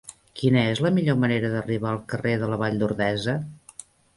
Quina és la millor manera d'arribar al carrer de la Vall d'Ordesa?